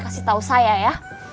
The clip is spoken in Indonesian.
kasih tau saya ya